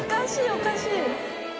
おかしい。